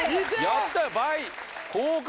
やったよ倍！